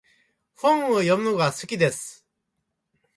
本を読むのが好きです。